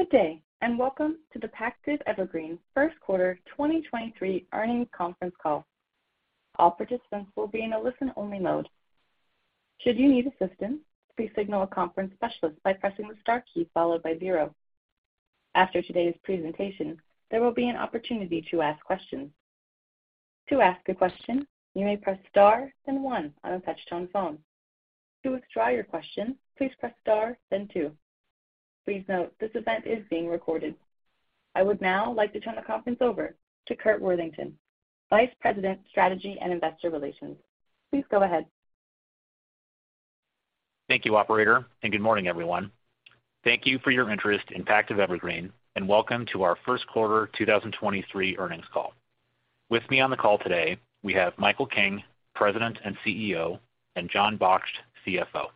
Good day, and welcome to the Pactiv Evergreen First Quarter 2023 Earnings Conference Call. All participants will be in a listen-only mode. Should you need assistance, please signal a conference specialist by pressing the Star key followed by zero. After today's presentation, there will be an opportunity to ask questions. To ask a question, you may press Star then one on a touch-tone phone. To withdraw your question, please press Star then two. Please note, this event is being recorded. I would now like to turn the conference over to Curt Worthington, Vice President, Strategy and Investor Relations. Please go ahead. Thank you, operator. Good morning, everyone. Thank you for your interest in Pactiv Evergreen, and welcome to our first quarter 2023 earnings call. With me on the call today, we have Michael King, President and CEO, and Jon Baksht, CFO.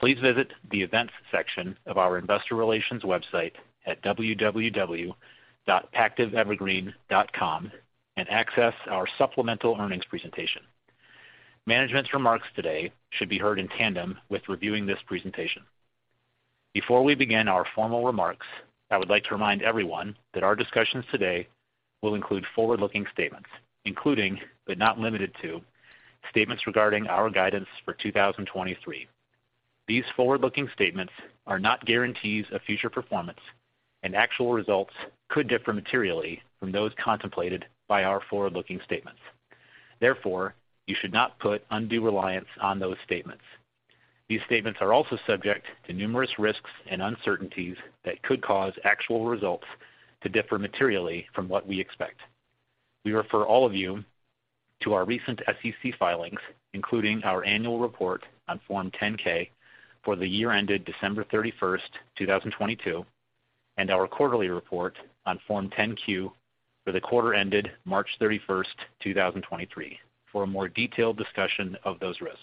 Please visit the Events section of our investor relations website at www.pactivevergreen.com and access our supplemental earnings presentation. Management's remarks today should be heard in tandem with reviewing this presentation. Before we begin our formal remarks, I would like to remind everyone that our discussions today will include forward-looking statements, including but not limited to, statements regarding our guidance for 2023. These forward-looking statements are not guarantees of future performance and actual results could differ materially from those contemplated by our forward-looking statements. Therefore, you should not put undue reliance on those statements. These statements are also subject to numerous risks and uncertainties that could cause actual results to differ materially from what we expect. We refer all of you to our recent SEC filings, including our annual report on Form 10-K for the year ended December 31st, 2022, and our quarterly report on Form 10-Q for the quarter ended March 31st, 2023, for a more detailed discussion of those risks.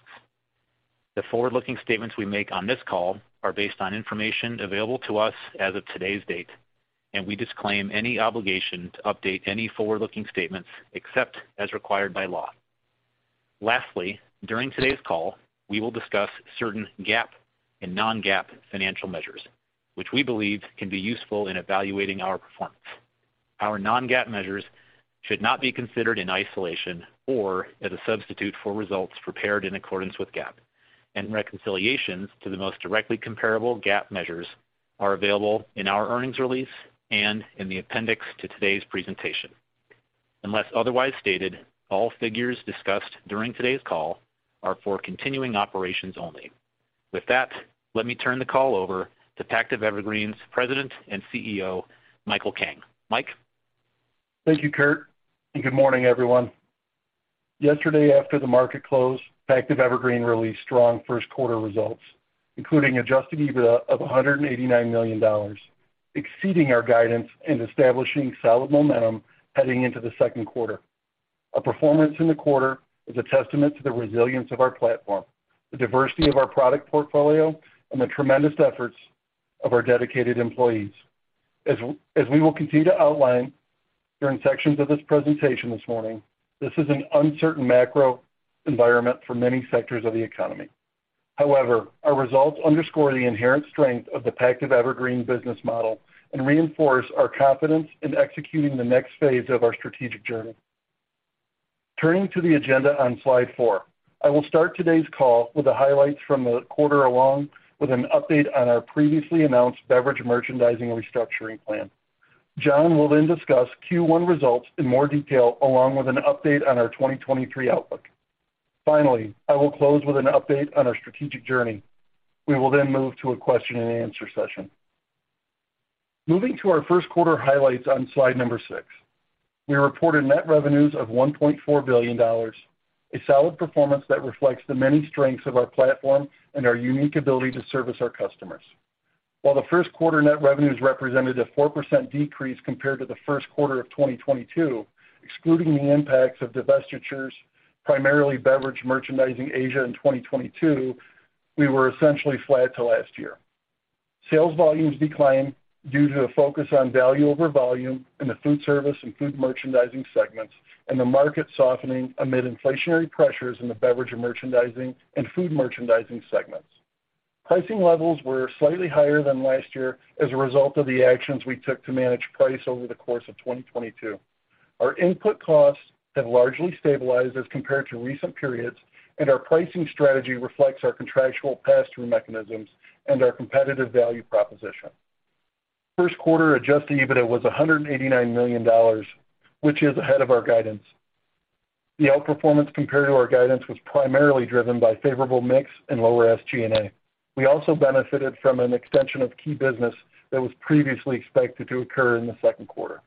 The forward-looking statements we make on this call are based on information available to us as of today's date. We disclaim any obligation to update any forward-looking statements except as required by law. Lastly, during today's call, we will discuss certain GAAP and non-GAAP financial measures, which we believe can be useful in evaluating our performance. Our non-GAAP measures should not be considered in isolation or as a substitute for results prepared in accordance with GAAP, and reconciliations to the most directly comparable GAAP measures are available in our earnings release and in the appendix to today's presentation. Unless otherwise stated, all figures discussed during today's call are for continuing operations only. With that, let me turn the call over to Pactiv Evergreen's President and CEO, Michael King. Mike? Thank you, Curt, and good morning, everyone. Yesterday, after the market closed, Pactiv Evergreen released strong first quarter results, including adjusted EBITDA of $189 million, exceeding our guidance and establishing solid momentum heading into the second quarter. Our performance in the quarter is a testament to the resilience of our platform, the diversity of our product portfolio, and the tremendous efforts of our dedicated employees. As we will continue to outline during sections of this presentation this morning, this is an uncertain macro environment for many sectors of the economy. However, our results underscore the inherent strength of the Pactiv Evergreen business model and reinforce our confidence in executing the next phase of our strategic journey. Turning to the agenda on slide 4. I will start today's call with the highlights from the quarter along with an update on our previously announced Beverage Merchandising restructuring plan. Jon will discuss Q1 results in more detail along with an update on our 2023 outlook. Finally, I will close with an update on our strategic journey. We will move to a question and answer session. Moving to our first quarter highlights on slide number 6. We reported net revenues of $1.4 billion, a solid performance that reflects the many strengths of our platform and our unique ability to service our customers. While the first quarter net revenues represented a 4% decrease compared to the first quarter of 2022, excluding the impacts of divestitures, primarily Beverage Merchandising Asia in 2022, we were essentially flat to last year. Sales volumes declined due to a focus on value over volume in the food service and food merchandising segments, the market softening amid inflationary pressures in the beverage merchandising and food merchandising segments. Pricing levels were slightly higher than last year as a result of the actions we took to manage price over the course of 2022. Our input costs have largely stabilized as compared to recent periods, our pricing strategy reflects our contractual pass-through mechanisms and our competitive value proposition. First quarter adjusted EBITDA was $189 million, which is ahead of our guidance. The outperformance compared to our guidance was primarily driven by favorable mix and lower SG&A. We also benefited from an extension of key business that was previously expected to occur in the second quarter.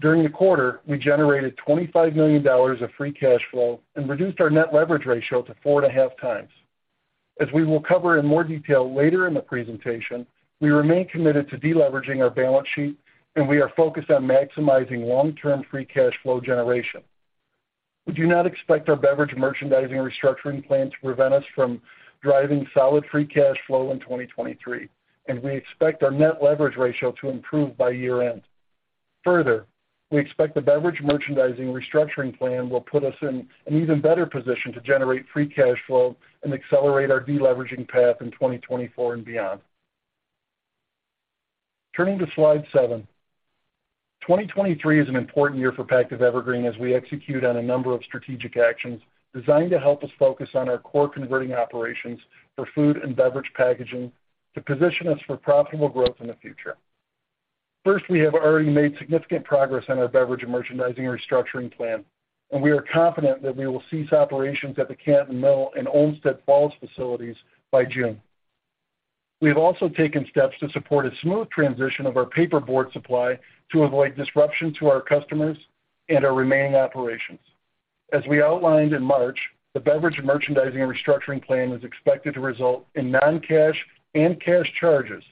During the quarter, we generated $25 million of free cash flow and reduced our net leverage ratio to 4.5 times. As we will cover in more detail later in the presentation, we remain committed to deleveraging our balance sheet, and we are focused on maximizing long-term free cash flow generation. We do not expect our beverage merchandising restructuring plan to prevent us from driving solid free cash flow in 2023, and we expect our net leverage ratio to improve by year-end. Further, we expect the beverage merchandising restructuring plan will put us in an even better position to generate free cash flow and accelerate our deleveraging path in 2024 and beyond. Turning to slide 7. 2023 is an important year for Pactiv Evergreen as we execute on a number of strategic actions designed to help us focus on our core converting operations for food and beverage packaging to position us for profitable growth in the future. First, we have already made significant progress on our Beverage Merchandising restructuring plan, and we are confident that we will cease operations at the Canton Mill and Olmsted Falls facilities by June. We have also taken steps to support a smooth transition of our paperboard supply to avoid disruption to our customers and our remaining operations. As we outlined in March, the Beverage Merchandising and restructuring plan is expected to result in non-cash and cash charges.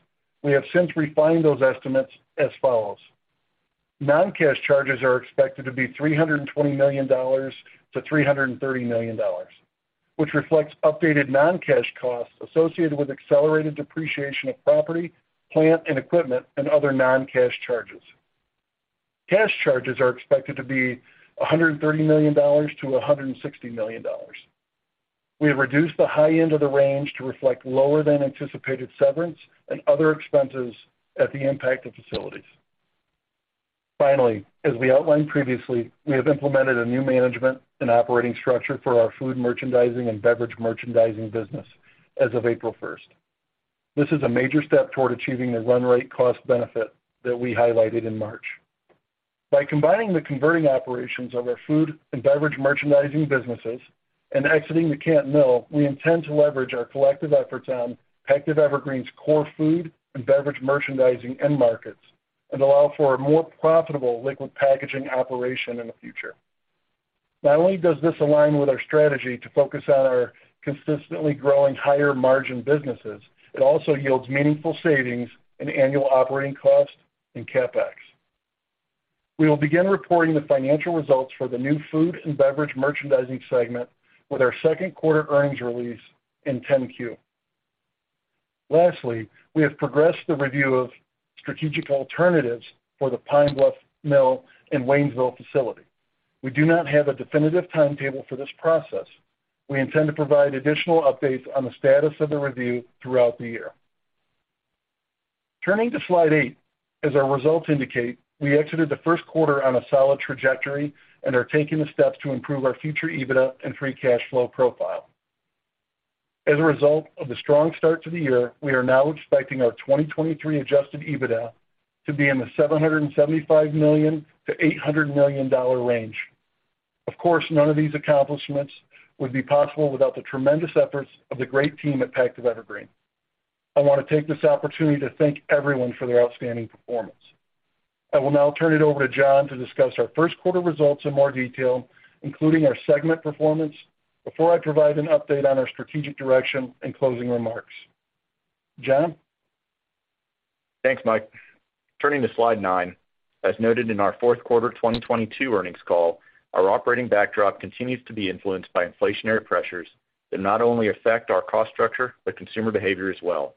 We have since refined those estimates as follows: Non-cash charges are expected to be $320 million-$330 million, which reflects updated non-cash costs associated with accelerated depreciation of property, plant, and equipment, and other non-cash charges. Cash charges are expected to be $130 million-$160 million. We have reduced the high end of the range to reflect lower than anticipated severance and other expenses at the impact of facilities. Finally, as we outlined previously, we have implemented a new management and operating structure for our food merchandising and beverage merchandising business as of April first. This is a major step toward achieving the run rate cost benefit that we highlighted in March. By combining the converting operations of our food and beverage merchandising businesses and exiting the Canton Mill, we intend to leverage our collective efforts on Pactiv Evergreen's core food and beverage merchandising end markets and allow for a more profitable liquid packaging operation in the future. Not only does this align with our strategy to focus on our consistently growing higher margin businesses, it also yields meaningful savings in annual operating costs and CapEx. We will begin reporting the financial results for the new food and beverage merchandising segment with our second quarter earnings release in 10-Q. Lastly, we have progressed the review of strategic alternatives for the Pine Bluff Mill and Waynesville facility. We do not have a definitive timetable for this process. We intend to provide additional updates on the status of the review throughout the year. Turning to slide eight. As our results indicate, we exited the first quarter on a solid trajectory and are taking the steps to improve our future EBITDA and free cash flow profile. As a result of the strong start to the year, we are now expecting our 2023 adjusted EBITDA to be in the $775 million-$800 million range. Of course, none of these accomplishments would be possible without the tremendous efforts of the great team at Pactiv Evergreen. I wanna take this opportunity to thank everyone for their outstanding performance. I will now turn it over to Jon to discuss our first quarter results in more detail, including our segment performance, before I provide an update on our strategic direction and closing remarks. Jon? Thanks, Mike. Turning to slide 9. As noted in our fourth quarter 2022 earnings call, our operating backdrop continues to be influenced by inflationary pressures that not only affect our cost structure, but consumer behavior as well.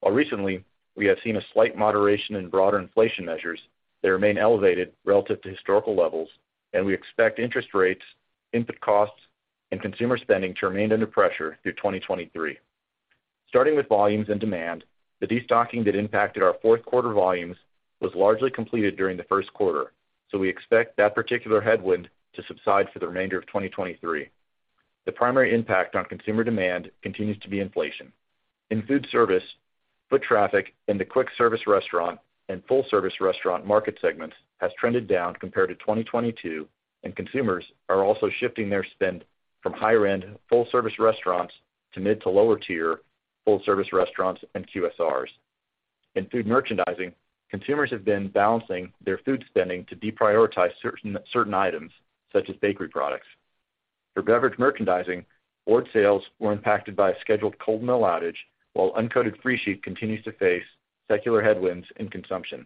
While recently, we have seen a slight moderation in broader inflation measures, they remain elevated relative to historical levels, and we expect interest rates, input costs, and consumer spending to remain under pressure through 2023. Starting with volumes and demand, the destocking that impacted our fourth quarter volumes was largely completed during the first quarter, we expect that particular headwind to subside for the remainder of 2023. The primary impact on consumer demand continues to be inflation. In food service, foot traffic in the quick service restaurant and full service restaurant market segments has trended down compared to 2022, and consumers are also shifting their spend from higher end full service restaurants to mid to lower tier full service restaurants and QSRs. In food merchandising, consumers have been balancing their food spending to deprioritize certain items such as bakery products. For beverage merchandising, board sales were impacted by a scheduled cold mill outage, while uncoated free sheet continues to face secular headwinds in consumption.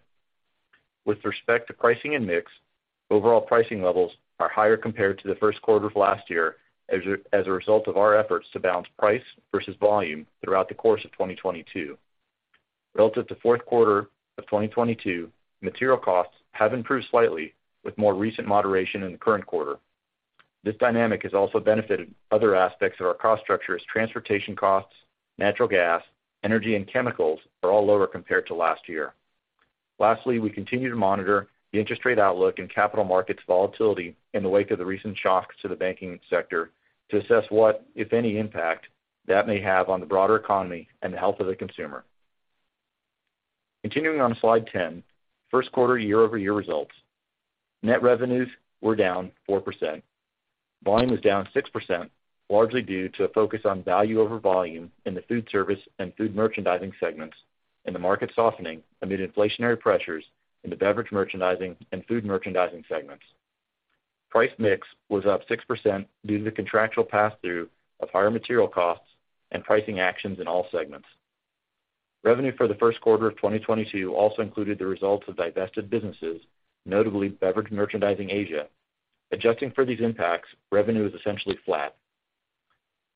With respect to pricing and mix, overall pricing levels are higher compared to the first quarter of last year as a result of our efforts to balance price versus volume throughout the course of 2022. Relative to fourth quarter of 2022, material costs have improved slightly with more recent moderation in the current quarter. This dynamic has also benefited other aspects of our cost structure as transportation costs, natural gas, energy, and chemicals are all lower compared to last year. Lastly, we continue to monitor the interest rate outlook and capital markets volatility in the wake of the recent shocks to the banking sector to assess what, if any, impact that may have on the broader economy and the health of the consumer. Continuing on slide 10, first quarter year-over-year results. Net revenues were down 4%. Volume was down 6%, largely due to a focus on value over volume in the foodservice and food merchandising segments, and the market softening amid inflationary pressures in the beverage merchandising and food merchandising segments. Price mix was up 6% due to the contractual pass-through of higher material costs and pricing actions in all segments. Revenue for the first quarter of 2022 also included the results of divested businesses, notably Beverage Merchandising Asia. Adjusting for these impacts, revenue is essentially flat.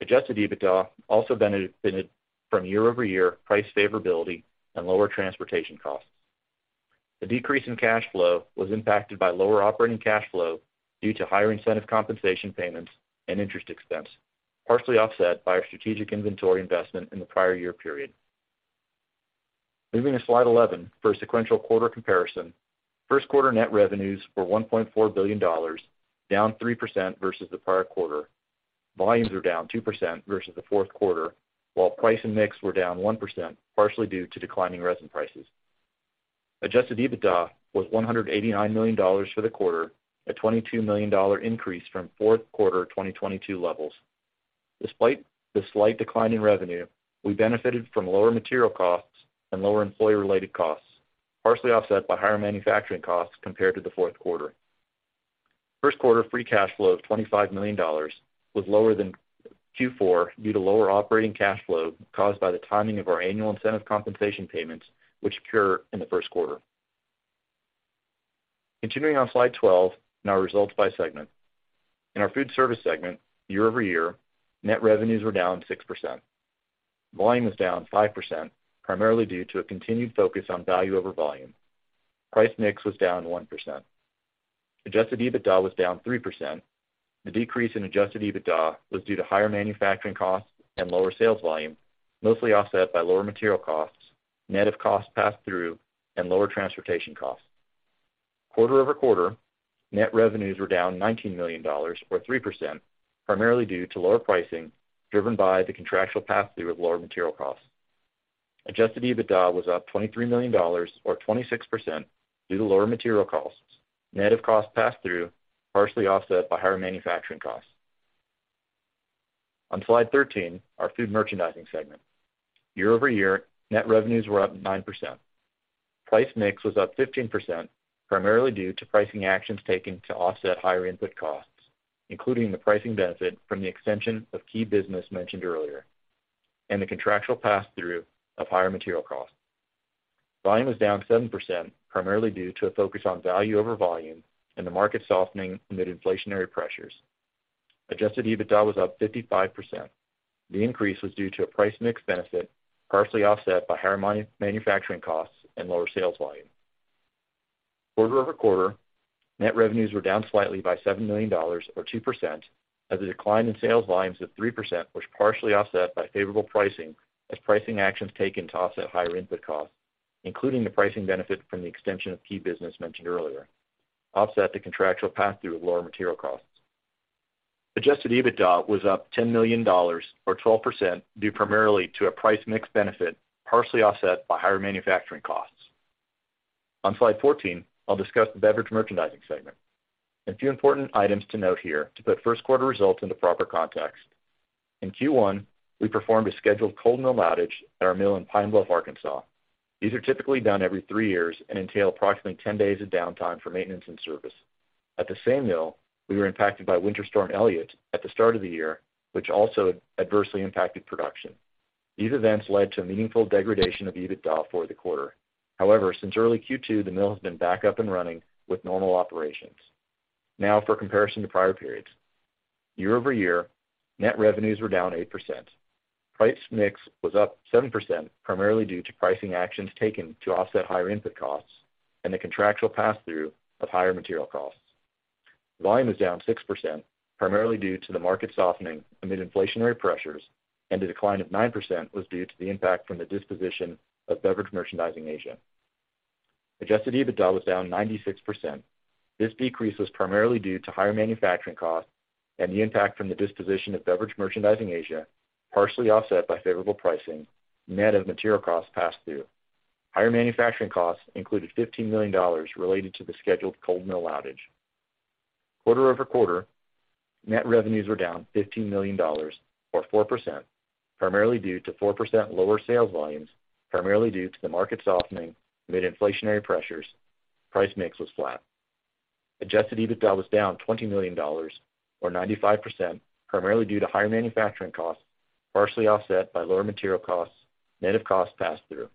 Adjusted EBITDA also benefited from year-over-year price favorability and lower transportation costs. The decrease in cash flow was impacted by lower operating cash flow due to higher incentive compensation payments and interest expense, partially offset by our strategic inventory investment in the prior year period. Moving to slide 11 for a sequential quarter comparison, first quarter net revenues were $1.4 billion, down 3% versus the prior quarter. Volumes were down 2% versus the fourth quarter, while price and mix were down 1%, partially due to declining resin prices. Adjusted EBITDA was $189 million for the quarter, a $22 million increase from fourth quarter 2022 levels. Despite the slight decline in revenue, we benefited from lower material costs and lower employee-related costs, partially offset by higher manufacturing costs compared to the fourth quarter. First quarter free cash flow of $25 million was lower than Q4 due to lower operating cash flow caused by the timing of our annual incentive compensation payments, which occur in the first quarter. Continuing on slide 12, now results by segment. In our food service segment, year-over-year, net revenues were down 6%. Volume was down 5%, primarily due to a continued focus on value over volume. Price mix was down 1%. Adjusted EBITDA was down 3%. The decrease in adjusted EBITDA was due to higher manufacturing costs and lower sales volume, mostly offset by lower material costs, net of costs passed through, and lower transportation costs. Quarter-over-quarter, net revenues were down $19 million, or 3%, primarily due to lower pricing, driven by the contractual pass-through of lower material costs. adjusted EBITDA was up $23 million or 26% due to lower material costs, net of costs passed through, partially offset by higher manufacturing costs. On slide 13, our food merchandising segment. Year-over-year, net revenues were up 9%. Price mix was up 15%, primarily due to pricing actions taken to offset higher input costs, including the pricing benefit from the extension of key business mentioned earlier, the contractual pass-through of higher material costs. Volume was down 7%, primarily due to a focus on value over volume and the market softening amid inflationary pressures. adjusted EBITDA was up 55%. The increase was due to a price mix benefit, partially offset by higher manufacturing costs and lower sales volume. Quarter-over-quarter, net revenues were down slightly by $7 million or 2% as the decline in sales volumes of 3% was partially offset by favorable pricing as pricing actions taken to offset higher input costs, including the pricing benefit from the extension of key business mentioned earlier, offset the contractual pass-through of lower material costs. adjusted EBITDA was up $10 million or 12% due primarily to a price mix benefit, partially offset by higher manufacturing costs. On slide 14, I'll discuss the beverage merchandising segment. A few important items to note here to put first quarter results into proper context. In Q1, we performed a scheduled cold mill outage at our mill in Pine Bluff, Arkansas. These are typically done every 3 years and entail approximately 10 days of downtime for maintenance and service. At the same mill, we were impacted by Winter Storm Elliott at the start of the year, which also adversely impacted production. These events led to a meaningful degradation of EBITDA for the quarter. Since early Q2, the mill has been back up and running with normal operations. For comparison to prior periods. Year-over-year, net revenues were down 8%. Price mix was up 7%, primarily due to pricing actions taken to offset higher input costs and the contractual pass-through of higher material costs. Volume is down 6%, primarily due to the market softening amid inflationary pressures, and the decline of 9% was due to the impact from the disposition of Beverage Merchandising Asia. Adjusted EBITDA was down 96%. This decrease was primarily due to higher manufacturing costs and the impact from the disposition of Beverage Merchandising Asia, partially offset by favorable pricing, net of material costs passed through. Higher manufacturing costs included $15 million related to the scheduled cold mill outage. Quarter-over-quarter, net revenues were down $15 million or 4%, primarily due to 4% lower sales volumes, primarily due to the market softening amid inflationary pressures. Price mix was flat. adjusted EBITDA was down $20 million or 95%, primarily due to higher manufacturing costs, partially offset by lower material costs, net of costs passed through.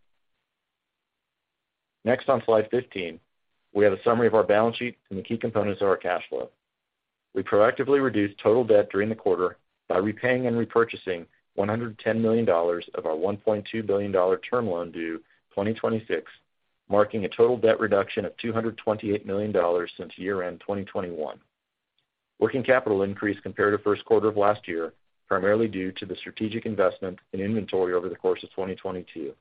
Next on slide 15, we have a summary of our balance sheet and the key components of our cash flow. We proactively reduced total debt during the quarter by repaying and repurchasing $110 million of our $1.2 billion term loan due 2026, marking a total debt reduction of $228 million since year-end 2021. Working capital increased compared to first quarter of last year, primarily due to the strategic investment in inventory over the course of 2022.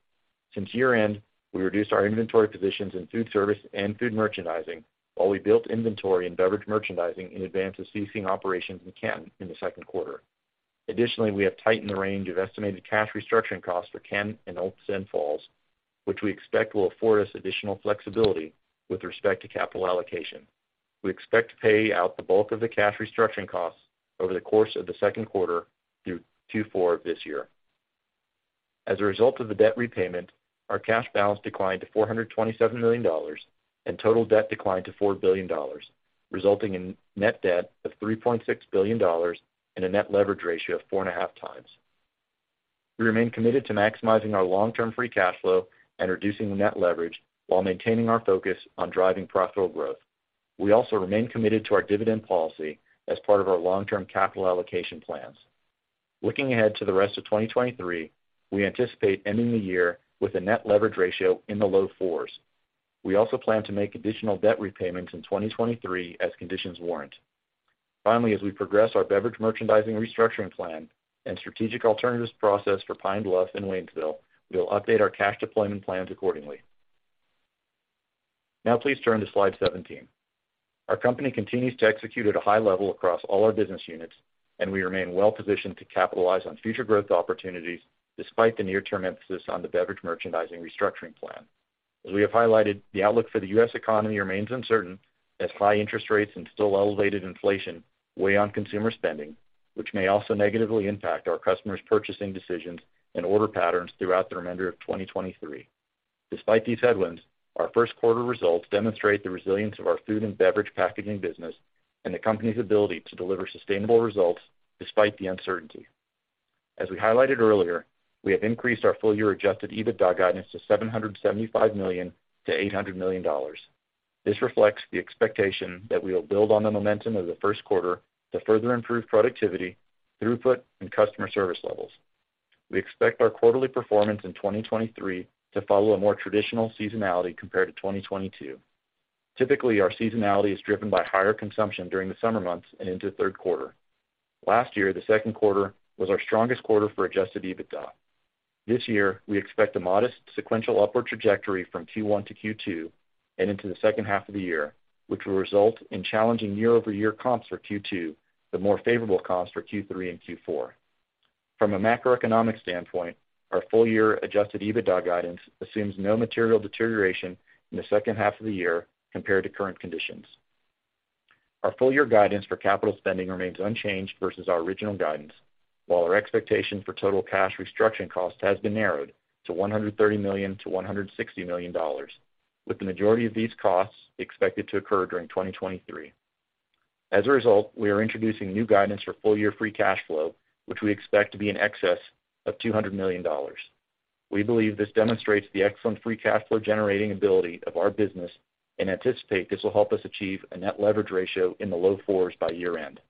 Since year-end, we reduced our inventory positions in food service and food merchandising while we built inventory in beverage merchandising in advance of ceasing operations in Canton in the second quarter. We have tightened the range of estimated cash restructuring costs for Canton and Olmsted Falls, which we expect will afford us additional flexibility with respect to capital allocation. We expect to pay out the bulk of the cash restructuring costs over the course of the second quarter through Q4 of this year. As a result of the debt repayment, our cash balance declined to $427 million, and total debt declined to $4 billion, resulting in net debt of $3.6 billion and a net leverage ratio of 4.5 times. We remain committed to maximizing our long-term free cash flow and reducing net leverage while maintaining our focus on driving profitable growth. We also remain committed to our dividend policy as part of our long-term capital allocation plans. Looking ahead to the rest of 2023, we anticipate ending the year with a net leverage ratio in the low 4s. We also plan to make additional debt repayments in 2023 as conditions warrant. Finally, as we progress our beverage merchandising restructuring plan and strategic alternatives process for Pine Bluff and Waynesville, we will update our cash deployment plans accordingly. Now please turn to slide 17. Our company continues to execute at a high level across all our business units, and we remain well-positioned to capitalize on future growth opportunities despite the near-term emphasis on the beverage merchandising restructuring plan. As we have highlighted, the outlook for the U.S. economy remains uncertain as high interest rates and still elevated inflation weigh on consumer spending, which may also negatively impact our customers' purchasing decisions and order patterns throughout the remainder of 2023. Despite these headwinds, our first quarter results demonstrate the resilience of our food and beverage packaging business and the company's ability to deliver sustainable results despite the uncertainty. As we highlighted earlier, we have increased our full year adjusted EBITDA guidance to $775 million-$800 million. This reflects the expectation that we will build on the momentum of the first quarter to further improve productivity, throughput, and customer service levels. We expect our quarterly performance in 2023 to follow a more traditional seasonality compared to 2022. Typically, our seasonality is driven by higher consumption during the summer months and into third quarter. Last year, the second quarter was our strongest quarter for adjusted EBITDA. This year, we expect a modest sequential upward trajectory from Q1 to Q2 and into the second half of the year, which will result in challenging year-over-year comps for Q2, but more favorable comps for Q3 and Q4. From a macroeconomic standpoint, our full year adjusted EBITDA guidance assumes no material deterioration in the second half of the year compared to current conditions. Our full year guidance for capital spending remains unchanged versus our original guidance, while our expectation for total cash restructuring cost has been narrowed to $130 million-$160 million, with the majority of these costs expected to occur during 2023. As a result, we are introducing new guidance for full year free cash flow, which we expect to be in excess of $200 million. We believe this demonstrates the excellent free cash flow generating ability of our business and anticipate this will help us achieve a net leverage ratio in the low 4s by year-end.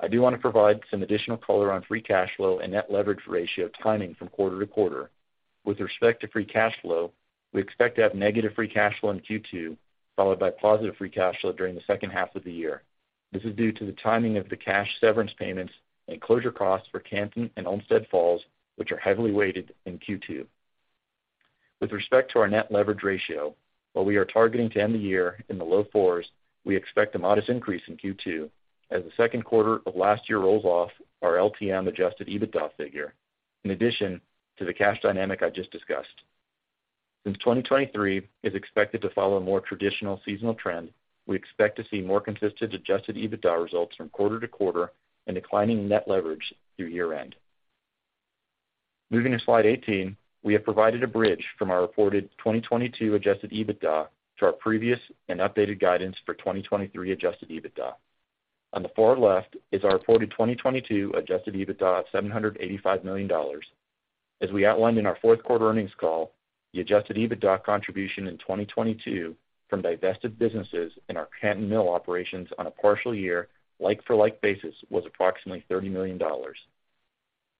I do want to provide some additional color on free cash flow and net leverage ratio timing from quarter to quarter. With respect to free cash flow, we expect to have negative free cash flow in Q2, followed by positive free cash flow during the second half of the year. This is due to the timing of the cash severance payments and closure costs for Canton and Olmsted Falls, which are heavily weighted in Q2. With respect to our net leverage ratio, while we are targeting to end the year in the low 4s, we expect a modest increase in Q2 as the second quarter of last year rolls off our LTM adjusted EBITDA figure, in addition to the cash dynamic I just discussed. Since 2023 is expected to follow a more traditional seasonal trend, we expect to see more consistent adjusted EBITDA results from quarter to quarter and declining net leverage through year-end. Moving to slide 18, we have provided a bridge from our reported 2022 adjusted EBITDA to our previous and updated guidance for 2023 adjusted EBITDA. On the far left is our reported 2022 adjusted EBITDA of $785 million. As we outlined in our 4th quarter earnings call, the adjusted EBITDA contribution in 2022 from divested businesses in our Canton Mill operations on a partial year like for like basis was approximately $30 million.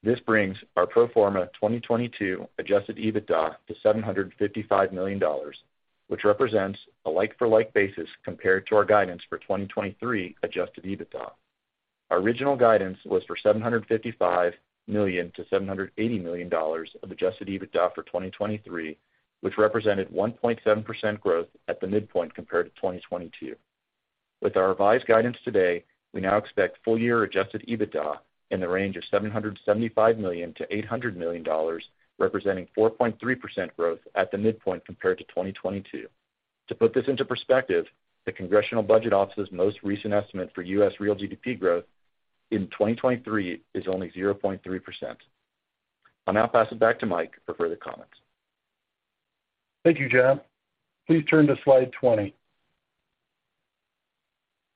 This brings our pro forma 2022 adjusted EBITDA to $755 million, which represents a like for like basis compared to our guidance for 2023 adjusted EBITDA. Our original guidance was for $755 million-$780 million of adjusted EBITDA for 2023, which represented 1.7% growth at the midpoint compared to 2022. With our revised guidance today, we now expect full year adjusted EBITDA in the range of $775 million-$800 million, representing 4.3% growth at the midpoint compared to 2022. To put this into perspective, the Congressional Budget Office's most recent estimate for US real GDP growth in 2023 is only 0.3%. I'll now pass it back to Mike for further comments. Thank you, Jon. Please turn to slide 20.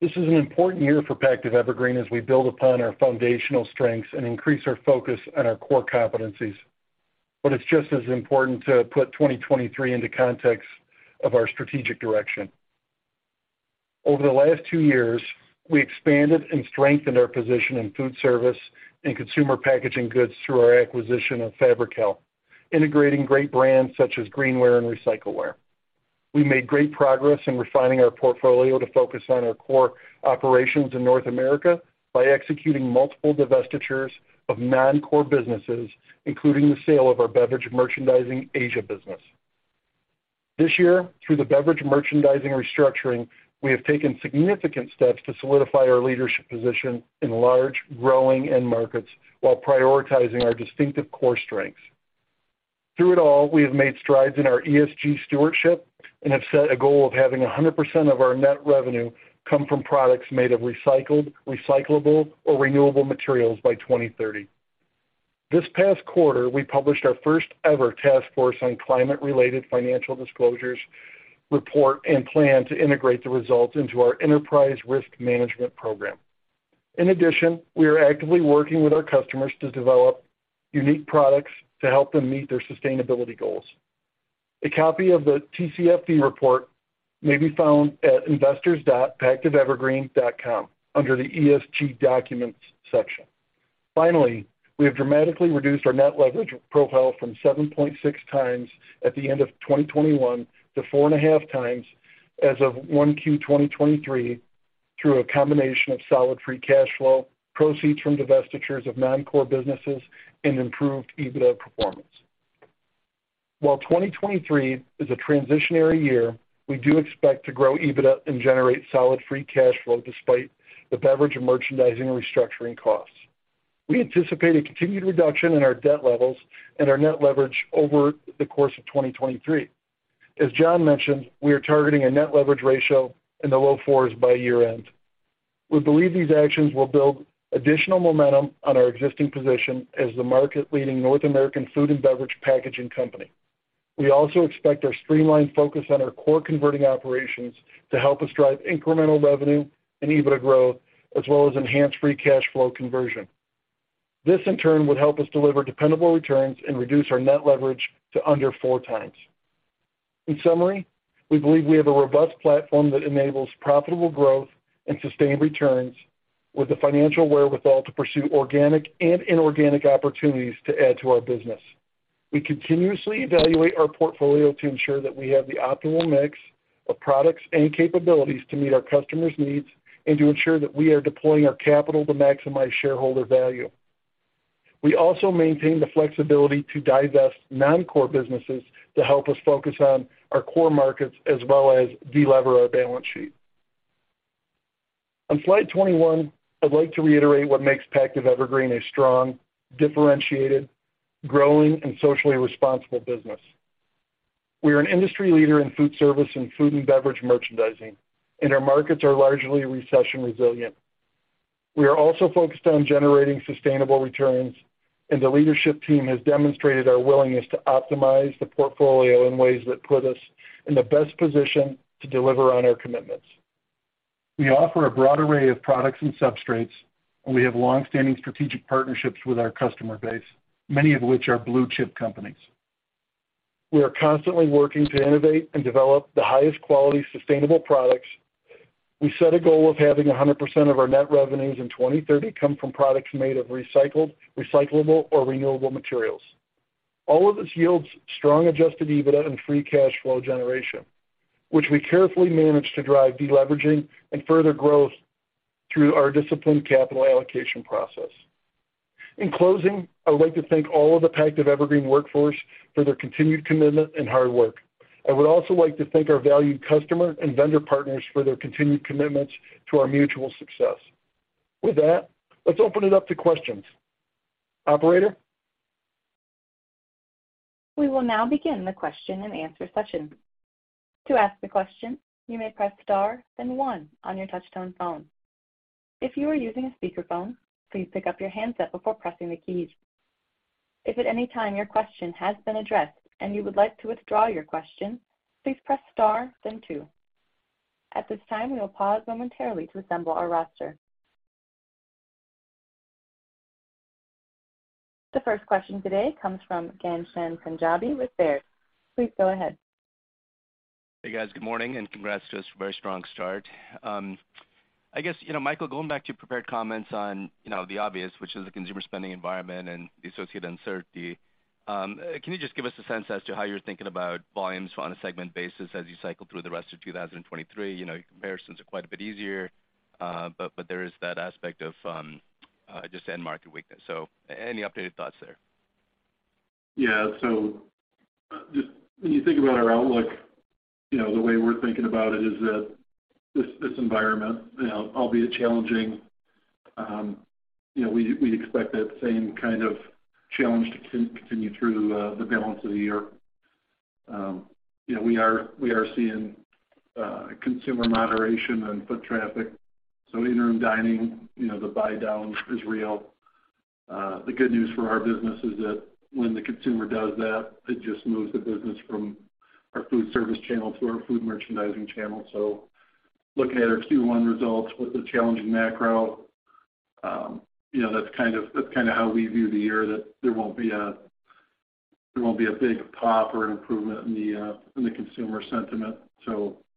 This is an important year for Pactiv Evergreen as we build upon our foundational strengths and increase our focus on our core competencies. It's just as important to put 2023 into context of our strategic direction. Over the last 2 years, we expanded and strengthened our position in foodservice and consumer packaging goods through our acquisition of Fabri-Kal, integrating great brands such as Greenware and Recycleware. We made great progress in refining our portfolio to focus on our core operations in North America by executing multiple divestitures of non-core businesses, including the sale of our Beverage Merchandising Asia business. This year, through the beverage merchandising restructuring, we have taken significant steps to solidify our leadership position in large, growing end markets while prioritizing our distinctive core strengths. Through it all, we have made strides in our ESG stewardship and have set a goal of having 100% of our net revenue come from products made of recycled, recyclable, or renewable materials by 2030. This past quarter, we published our first ever Task Force on Climate-related Financial Disclosures Report and plan to integrate the results into our enterprise risk management program. We are actively working with our customers to develop unique products to help them meet their sustainability goals. A copy of the TCFD report may be found at investors.pactivevergreen.com under the ESG documents section. We have dramatically reduced our net leverage profile from 7.6x at the end of 2021 to 4.5x as of 1Q 2023 through a combination of solid free cash flow, proceeds from divestitures of non-core businesses, and improved EBITDA performance. While 2023 is a transitionary year, we do expect to grow EBITDA and generate solid free cash flow despite the beverage and merchandising restructuring costs. We anticipate a continued reduction in our debt levels and our net leverage over the course of 2023. As John mentioned, we are targeting a net leverage ratio in the low 4s by year-end. We believe these actions will build additional momentum on our existing position as the market-leading North American food and beverage packaging company. We also expect our streamlined focus on our core converting operations to help us drive incremental revenue and EBITDA growth, as well as enhanced free cash flow conversion. This, in turn, would help us deliver dependable returns and reduce our net leverage to under 4 times. In summary, we believe we have a robust platform that enables profitable growth and sustained returns with the financial wherewithal to pursue organic and inorganic opportunities to add to our business. We continuously evaluate our portfolio to ensure that we have the optimal mix of products and capabilities to meet our customers' needs and to ensure that we are deploying our capital to maximize shareholder value. We also maintain the flexibility to divest non-core businesses to help us focus on our core markets as well as de-lever our balance sheet. On Slide 21, I'd like to reiterate what makes Pactiv Evergreen a strong, differentiated, growing, and socially responsible business. Our markets are largely recession-resilient. We are also focused on generating sustainable returns, and the leadership team has demonstrated our willingness to optimize the portfolio in ways that put us in the best position to deliver on our commitments. We offer a broad array of products and substrates, and we have long-standing strategic partnerships with our customer base, many of which are blue-chip companies. We are constantly working to innovate and develop the highest quality, sustainable products. We set a goal of having 100% of our net revenues in 2030 come from products made of recycled, recyclable, or renewable materials. All of this yields strong adjusted EBITDA and free cash flow generation, which we carefully manage to drive de-leveraging and further growth through our disciplined capital allocation process. In closing, I would like to thank all of the Pactiv Evergreen workforce for their continued commitment and hard work. I would also like to thank our valued customer and vendor partners for their continued commitments to our mutual success. With that, let's open it up to questions. Operator? We will now begin the question and answer session. To ask a question, you may press star then one on your touchtone phone. If you are using a speakerphone, please pick up your handset before pressing the keys. If at any time your question has been addressed and you would like to withdraw your question, please press star then two. At this time, we will pause momentarily to assemble our roster. The first question today comes from Ghansham Panjabi with Baird. Please go ahead. Hey, guys. Good morning and congrats to us. Very strong start. I guess, you know, Michael, going back to your prepared comments on, you know, the obvious, which is the consumer spending environment and the associated uncertainty, can you just give us a sense as to how you're thinking about volumes on a segment basis as you cycle through the rest of 2023? You know, comparisons are quite a bit easier, but there is that aspect of just end market weakness. Any updated thoughts there? Just when you think about our outlook, you know, the way we're thinking about it is that this environment, you know, albeit challenging, you know, we expect that same kind of challenge to continue through the balance of the year. You know, we are seeing consumer moderation on foot traffic, so in-room dining, you know, the buy-down is real. The good news for our business is that when the consumer does that, it just moves the business from our food service channel to our food merchandising channel. Looking at our Q1 results with the challenging macro, you know, that's kind of how we view the year, that there won't be a big pop or an improvement in the consumer sentiment.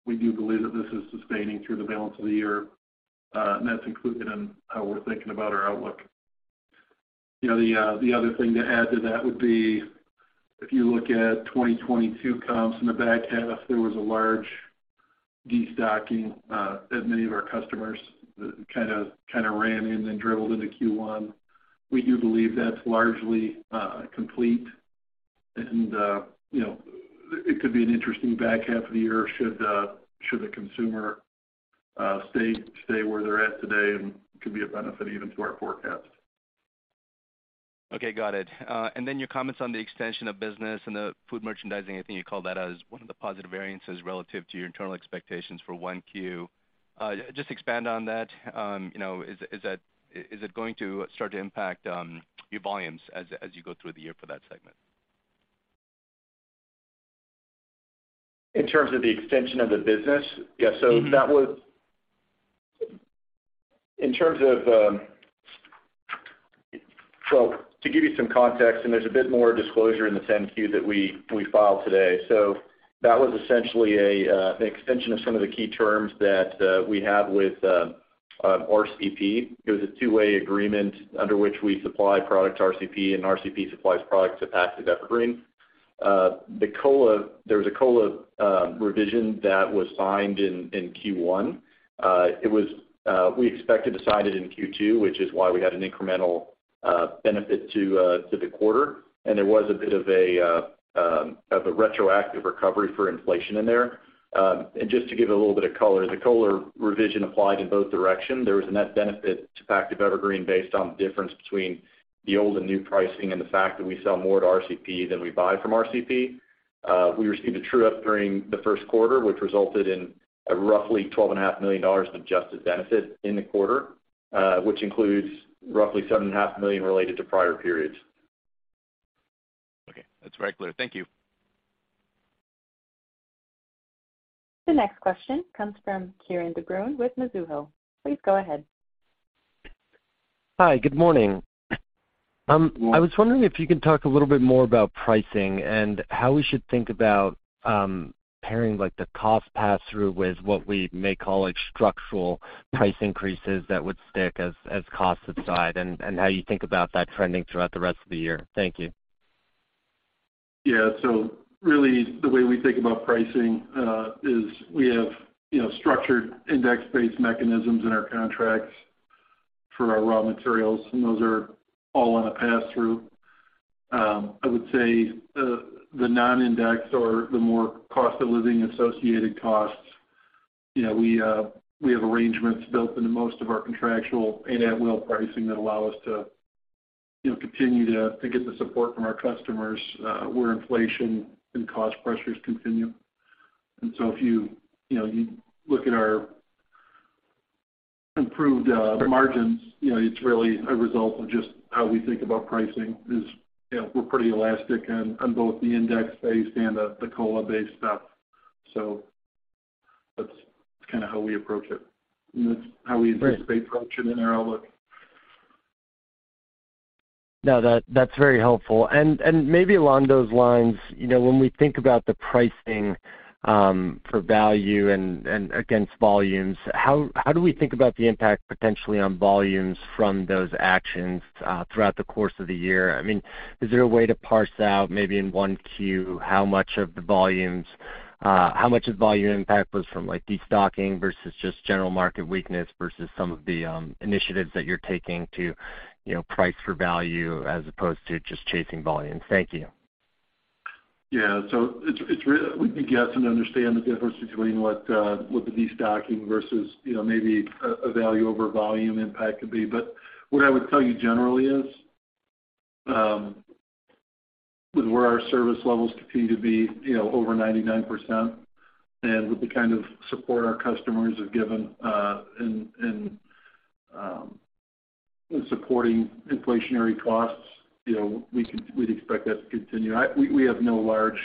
We do believe that this is sustaining through the balance of the year, and that's included in how we're thinking about our outlook. You know, the other thing to add to that would be if you look at 2022 comps in the back half, there was a large destocking that many of our customers kinda ran and then dribbled into Q1. We do believe that's largely complete, and, you know, it could be an interesting back half of the year should the consumer stay where they're at today and could be a benefit even to our forecast. Okay, got it. Your comments on the extension of business and the food merchandising, I think you called that as one of the positive variances relative to your internal expectations for 1Q. Just expand on that. You know, is it going to start to impact your volumes as you go through the year for that segment? In terms of the extension of the business. Yeah. In terms of, to give you some context, there's a bit more disclosure in the Form 10-Q that we filed today. That was essentially an extension of some of the key terms that we have with RCP. It was a two-way agreement under which we supply product to RCP and RCP supplies product to Pactiv Evergreen. There was a COLA revision that was signed in Q1. We expected to sign it in Q2, which is why we had an incremental benefit to the quarter. There was a bit of a retroactive recovery for inflation in there. Just to give a little bit of color, the COLA revision applied in both directions. There was a net benefit to Pactiv Evergreen based on the difference between the old and new pricing and the fact that we sell more to RCP than we buy from RCP. We received a true-up during the first quarter, which resulted in a roughly twelve and a half million dollars of adjusted benefit in the quarter, which includes roughly seven and a half million related to prior periods. Okay, that's very clear. Thank you. The next question comes from Kieran De Brun with Mizuho. Please go ahead. Hi. Good morning. I was wondering if you could talk a little bit more about pricing and how we should think about, pairing, like, the cost pass-through with what we may call, like, structural price increases that would stick as costs subside, and how you think about that trending throughout the rest of the year. Thank you. Really the way we think about pricing is we have, you know, structured index-based mechanisms in our contracts for our raw materials, and those are all on a pass-through. I would say the non-index or the more cost of living associated costs, you know, we have arrangements built into most of our contractual pay-at-will pricing that allow us to, you know, continue to get the support from our customers where inflation and cost pressures continue. If you know, you look at our improved margins, you know, it's really a result of just how we think about pricing is, you know, we're pretty elastic on both the index-based and the COLA-based stuff. That's kinda how we approach it, and that's how we anticipate approaching in our outlook. No, that's very helpful. maybe along those lines, you know, when we think about the pricing, for value and against volumes, how do we think about the impact potentially on volumes from those actions throughout the course of the year? I mean, is there a way to parse out, maybe in 1 Q, how much of volume impact was from, like, destocking versus just general market weakness versus some of the initiatives that you're taking to, you know, price for value as opposed to just chasing volume? Thank you. We can guess and understand the difference between what the destocking versus, you know, maybe a value over volume impact could be. What I would tell you generally is, with where our service levels continue to be, you know, over 99% and with the kind of support our customers have given in supporting inflationary costs, you know, we'd expect that to continue. We have no large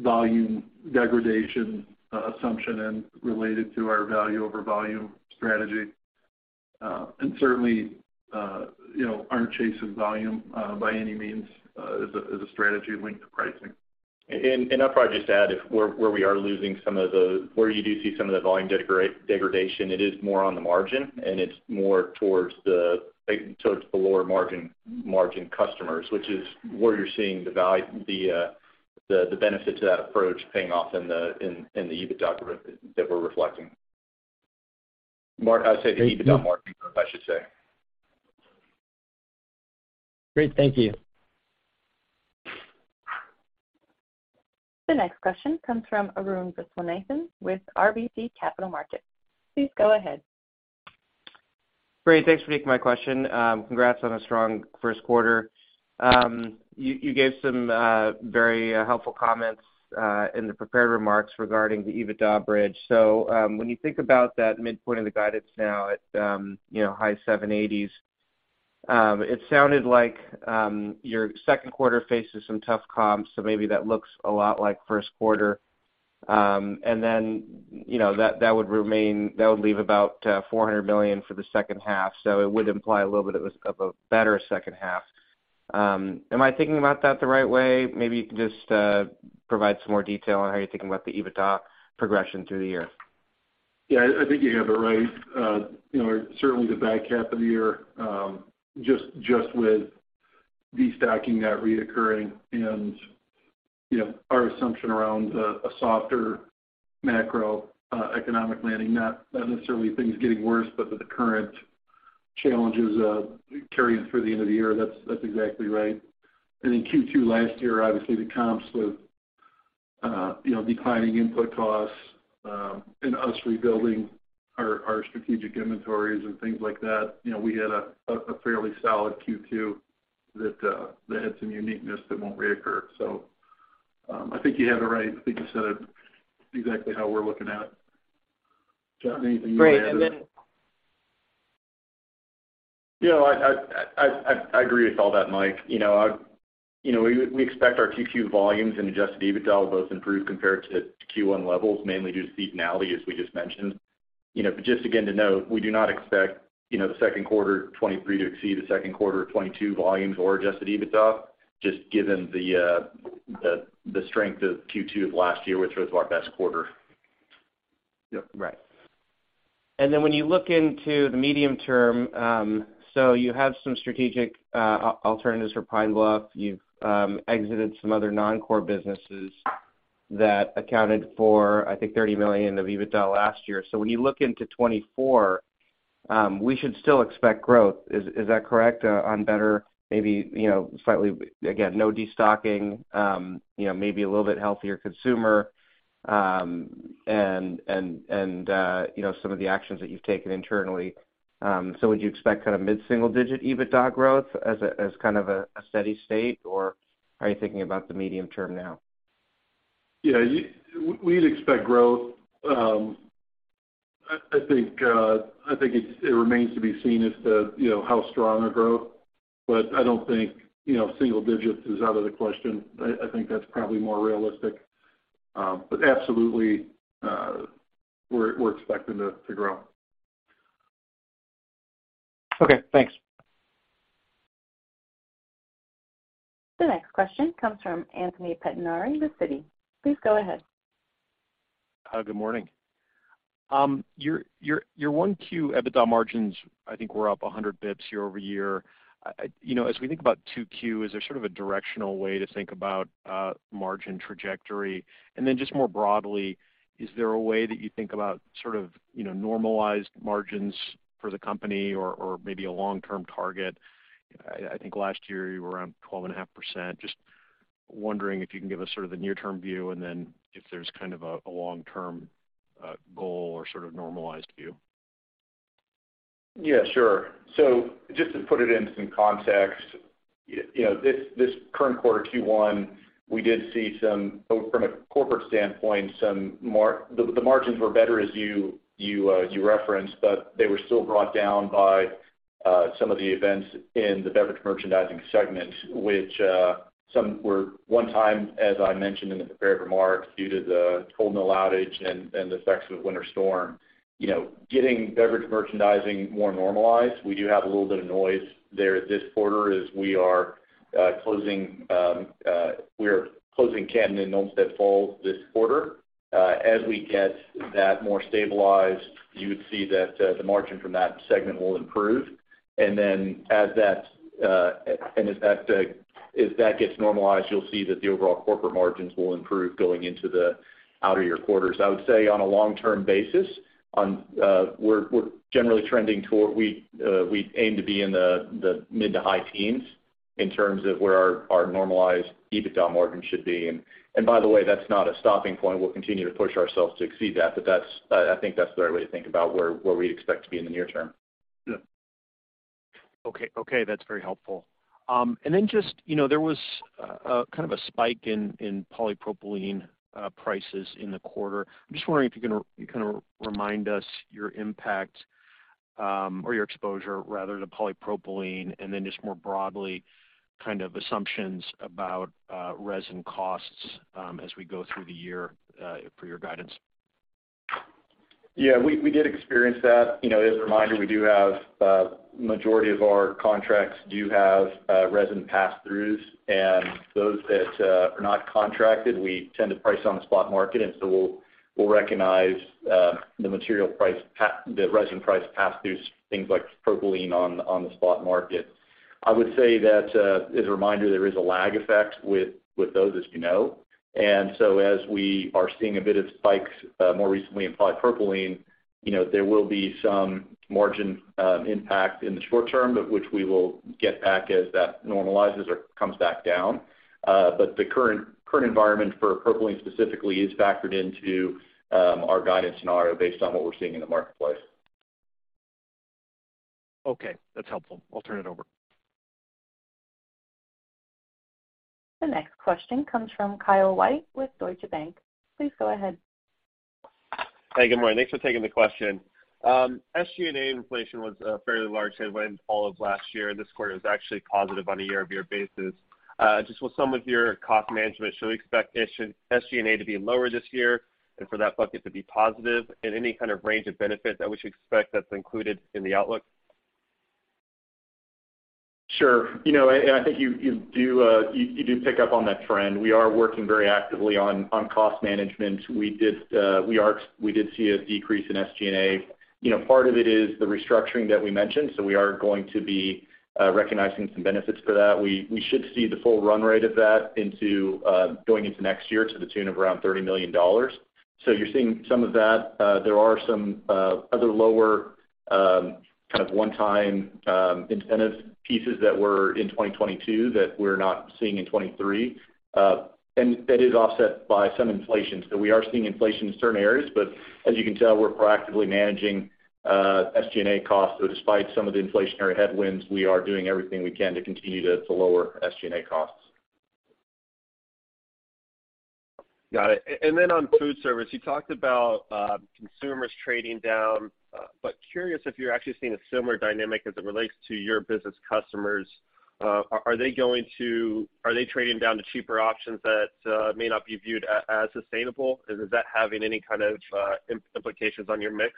volume degradation assumption and related to our value over volume strategy. Certainly, you know, aren't chasing volume by any means as a strategy linked to pricing. I'd probably just add if where we are losing where you do see some of the volume degradation, it is more on the margin, and it's more towards the lower margin customers, which is where you're seeing the benefit to that approach paying off in the EBITDA that we're reflecting. I would say the EBITDA margin, I should say. Great. Thank you. The next question comes from Arun Viswanathan with RBC Capital Markets. Please go ahead. Great. Thanks for taking my question. Congrats on a strong first quarter. You gave some very helpful comments in the prepared remarks regarding the EBITDA bridge. When you think about that midpoint of the guidance now at high $780s, it sounded like your second quarter faces some tough comps, so maybe that looks a lot like first quarter. That would leave about $400 million for the second half. It would imply a little bit of a better second half. Am I thinking about that the right way? Maybe you can just provide some more detail on how you're thinking about the EBITDA progression through the year. Yeah. I think you have it right. You know, certainly the back half of the year, just with destocking not reoccurring and, you know, our assumption around a softer macroeconomic landing, not necessarily things getting worse, but with the current challenges, carrying through the end of the year. That's exactly right. In Q2 last year, obviously the comps with, you know, declining input costs, and us rebuilding our strategic inventories and things like that, you know, we had a fairly solid Q2 that had some uniqueness that won't reoccur. I think you have it right. I think you said it exactly how we're looking at it. Jon, anything you want to add? You know, I agree with all that, Mike. You know, we expect our 2Q volumes and adjusted EBITDA will both improve compared to Q1 levels, mainly due to seasonality, as we just mentioned. Just again to note, we do not expect, you know, the second quarter 2023 to exceed the second quarter 2022 volumes or adjusted EBITDA, just given the strength of Q2 of last year, which was our best quarter. Yeah, right. When you look into the medium term, you have some strategic alternatives for Pine Bluff. You've exited some other non-core businesses that accounted for, I think, $30 million of EBITDA last year. When you look into 2024, we should still expect growth. Is that correct? On better maybe, you know, slightly, again, no destocking, you know, maybe a little bit healthier consumer, and, you know, some of the actions that you've taken internally. Would you expect kind of mid-single digit EBITDA growth as kind of a steady state, or are you thinking about the medium term now? Yeah, we'd expect growth. I think it remains to be seen as to, you know, how strong a growth, but I don't think, you know, single digits is out of the question. I think that's probably more realistic. Absolutely, we're expecting to grow. Okay, thanks. The next question comes from Anthony Pettinari with Citi. Please go ahead. Hi, good morning. your 1Q EBITDA margins I think were up 100 basis points year-over-year. you know, as we think about 2Q, is there sort of a directional way to think about margin trajectory? Just more broadly, is there a way that you think about sort of, you know, normalized margins for the company or maybe a long-term target? I think last year you were around 12.5%. Just wondering if you can give us sort of the near-term view and then if there's kind of a long-term goal or sort of normalized view. Yeah, sure. Just to put it into some context, you know, this current quarter, Q1, we did see some, from a corporate standpoint, the margins were better as you referenced, but they were still brought down by some of the events in the beverage merchandising segment, which some were one-time, as I mentioned in the prepared remarks, due to the cold mill outage and the effects of winter storm. You know, getting beverage merchandising more normalized, we do have a little bit of noise there this quarter as we are closing Camden and Olmsted Falls this quarter. As we get that more stabilized, you would see that the margin from that segment will improve. Then as that gets normalized, you'll see that the overall corporate margins will improve going into the outer year quarters. I would say on a long-term basis, on, we're generally trending toward we aim to be in the mid to high teens in terms of where our normalized EBITDA margin should be. By the way, that's not a stopping point. We'll continue to push ourselves to exceed that, but that's, I think that's the right way to think about where we expect to be in the near term. Yeah. Okay. Okay, that's very helpful. Just, you know, there was a kind of a spike in polypropylene prices in the quarter. I'm just wondering if you can kind of remind us your impact or your exposure rather to polypropylene, and then just more broadly kind of assumptions about resin costs as we go through the year for your guidance. Yeah, we did experience that. You know, as a reminder, we do have majority of our contracts do have resin passthroughs, and those that are not contracted, we tend to price on the spot market. We'll, we'll recognize the resin price passthroughs, things like propylene on the spot market. I would say that, as a reminder, there is a lag effect with those, as you know. As we are seeing a bit of spikes more recently in polypropylene, you know, there will be some margin impact in the short term, but which we will get back as that normalizes or comes back down. But the current environment for propylene specifically is factored into our guidance scenario based on what we're seeing in the marketplace. Okay, that's helpful. I'll turn it over. The next question comes from Kyle White with Deutsche Bank. Please go ahead. Hey, good morning. Thanks for taking the question. SG&A inflation was a fairly large headwind all of last year, and this quarter is actually positive on a year-over-year basis. Just with some of your cost management, should we expect SG&A to be lower this year and for that bucket to be positive? Any kind of range of benefits that we should expect that's included in the outlook? Sure. You know, I think you do pick up on that trend. We are working very actively on cost management. We did see a decrease in SG&A. You know, part of it is the restructuring that we mentioned. We are going to be recognizing some benefits for that. We should see the full run rate of that into going into next year to the tune of around $30 million. You're seeing some of that. There are some other lower kind of one-time incentive pieces that were in 2022 that we're not seeing in 2023. That is offset by some inflation. We are seeing inflation in certain areas, but as you can tell, we're proactively managing SG&A costs. Despite some of the inflationary headwinds, we are doing everything we can to continue to lower SG&A costs. Got it. On food service, you talked about consumers trading down. Curious if you're actually seeing a similar dynamic as it relates to your business customers. Are they trading down to cheaper options that may not be viewed as sustainable? Is that having any kind of applications on your mix?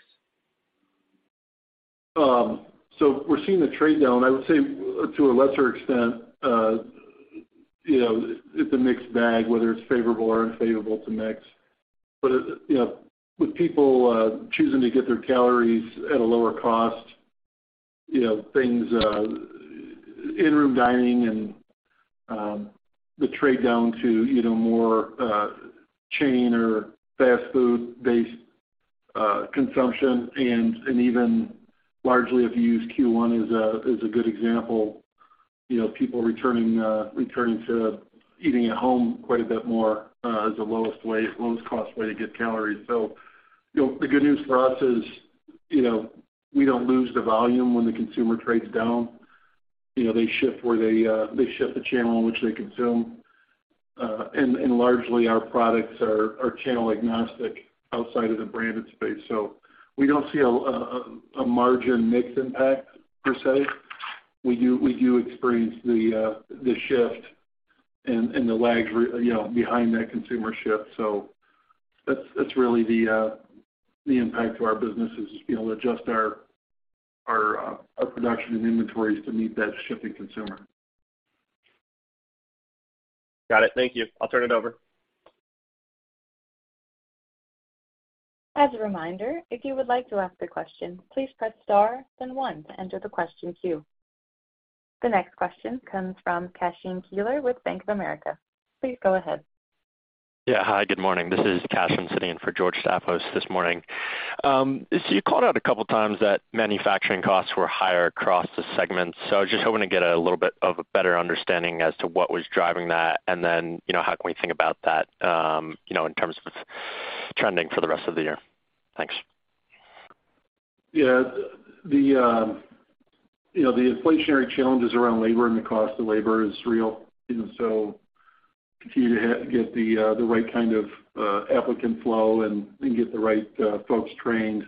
We're seeing the trade-down, I would say to a lesser extent, you know, it's a mixed bag, whether it's favorable or unfavorable to mix. You know, with people choosing to get their calories at a lower cost, you know, things, in-room dining and the trade-down to, you know, more chain or fast food-based consumption and even largely, if you use Q1 is a good example, you know, people returning to eating at home quite a bit more as the lowest way, lowest cost way to get calories. You know, the good news for us is, you know, we don't lose the volume when the consumer trades down. You know, they shift where they shift the channel in which they consume. Largely our products are channel agnostic outside of the branded space. We don't see a margin mix impact per se. We do experience the shift and the lag, you know, behind that consumer shift. That's really the impact to our business is, you know, adjust our production and inventories to meet that shifting consumer. Got it. Thank you. I'll turn it over. As a reminder, if you would like to ask a question, please press star then one to enter the question queue. The next question comes from Cashen Keeler with Bank of America. Please go ahead. Yeah. Hi, good morning. This is Cashen sitting in for George Staphos this morning. You called out a couple times that manufacturing costs were higher across the segments. I was just hoping to get a little bit of a better understanding as to what was driving that, and then, you know, how can we think about that, you know, in terms of trending for the rest of the year? Thanks. Yeah. The, you know, the inflationary challenges around labor and the cost of labor is real. Continue to get the right kind of applicant flow and get the right folks trained.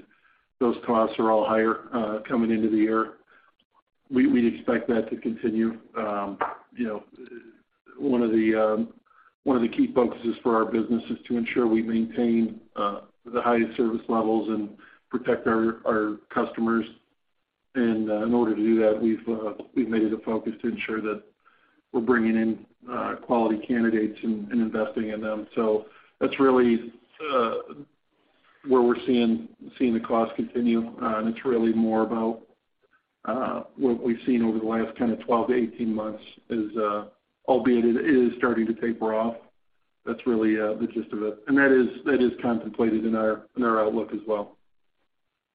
Those costs are all higher coming into the year. We'd expect that to continue. You know, one of the key focuses for our business is to ensure we maintain the highest service levels and protect our customers. In order to do that, we've made it a focus to ensure that we're bringing in quality candidates and investing in them. That's really where we're seeing the costs continue. It's really more about what we've seen over the last kind of 12 to 18 months is, albeit it is starting to taper off. That's really the gist of it. That is contemplated in our outlook as well.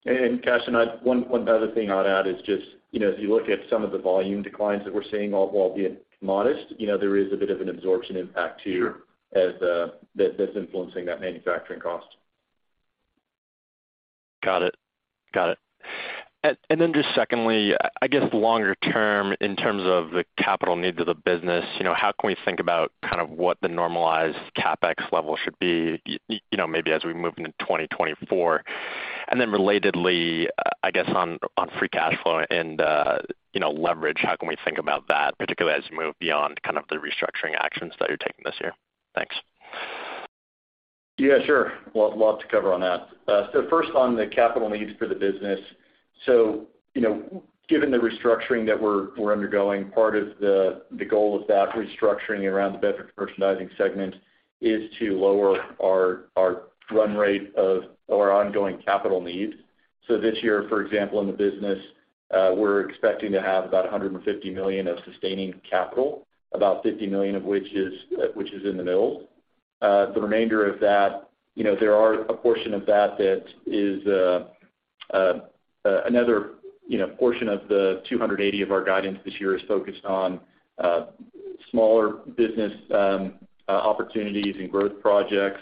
Cashen, one other thing I'd add is just, you know, as you look at some of the volume declines that we're seeing, albeit modest, you know, there is a bit of an absorption impact, too. Sure. as, that's influencing that manufacturing cost. Got it. Got it. Then just secondly, I guess longer term in terms of the capital needs of the business, you know, how can we think about kind of what the normalized CapEx level should be, you know, maybe as we move into 2024? Then relatedly, I guess, on free cash flow and, you know, leverage, how can we think about that, particularly as you move beyond kind of the restructuring actions that you're taking this year? Thanks. Yeah, sure. Lot to cover on that. First on the capital needs for the business. You know, given the restructuring that we're undergoing, part of the goal of that restructuring around the beverage merchandising segment is to lower our run rate of our ongoing capital needs. This year, for example, in the business, we're expecting to have about $150 million of sustaining capital, about $50 million of which is in the mills. The remainder of that, you know, there are a portion of that that is another, you know, portion of the $280 of our guidance this year is focused on smaller business opportunities and growth projects,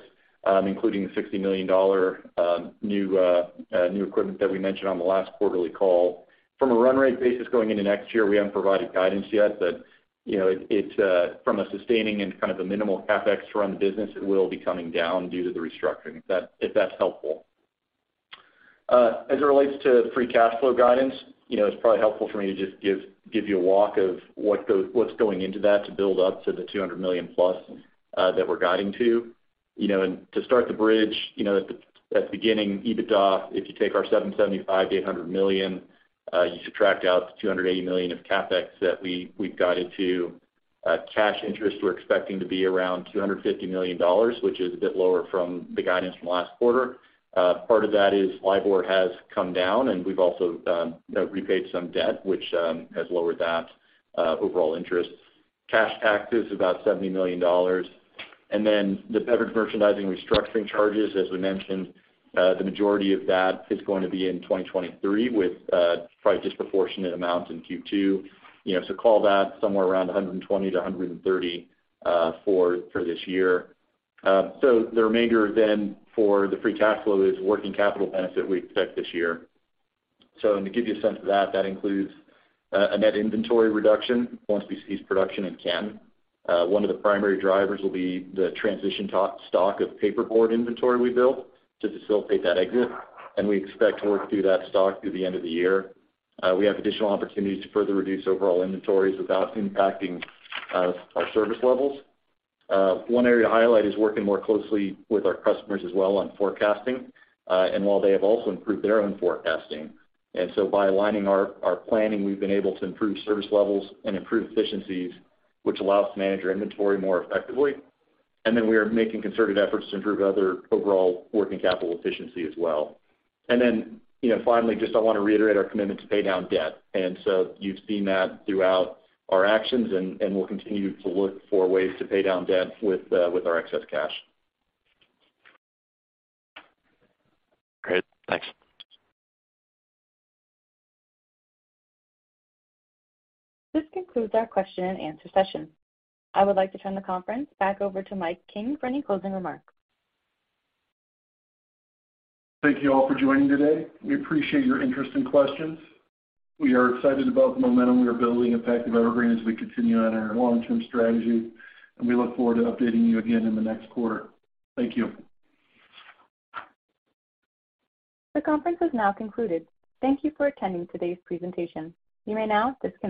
including the $60 million new equipment that we mentioned on the last quarterly call. From a run rate basis going into next year, we haven't provided guidance yet. You know, it's from a sustaining and kind of a minimal CapEx to run the business, it will be coming down due to the restructuring, if that's helpful. As it relates to free cash flow guidance, you know, it's probably helpful for me to just give you a walk of what's going into that to build up to the $200 million+, that we're guiding to. To start the bridge, you know, at the beginning, EBITDA, if you take our $775 million-$800 million, you subtract out the $280 million of CapEx that we've guided to. Cash interest, we're expecting to be around $250 million, which is a bit lower from the guidance from last quarter. Part of that is LIBOR has come down and we've also, you know, repaid some debt, which has lowered that overall interest. Cash taxes, about $70 million. The Beverage Merchandising restructuring charges, as we mentioned, the majority of that is going to be in 2023 with probably a disproportionate amount in Q2. You know, call that somewhere around $120-$130 for this year. The remainder for the free cash flow is working capital benefit we expect this year. To give you a sense of that includes a net inventory reduction once we cease production in Canton. One of the primary drivers will be the transition to stock of paperboard inventory we built to facilitate that exit, we expect to work through that stock through the end of the year. We have additional opportunities to further reduce overall inventories without impacting our service levels. One area to highlight is working more closely with our customers as well on forecasting, while they have also improved their own forecasting. By aligning our planning, we've been able to improve service levels and improve efficiencies, which allows us to manage our inventory more effectively. We are making concerted efforts to improve other overall working capital efficiency as well. You know, finally, just I wanna reiterate our commitment to pay down debt. You've seen that throughout our actions and we'll continue to look for ways to pay down debt with our excess cash. Great. Thanks. This concludes our question and answer session. I would like to turn the conference back over to Michael King for any closing remarks. Thank you all for joining today. We appreciate your interest and questions. We are excited about the momentum we are building at Pactiv Evergreen as we continue on our long-term strategy. We look forward to updating you again in the next quarter. Thank you. The conference has now concluded. Thank you for attending today's presentation. You may now disconnect.